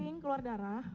kuping keluar darah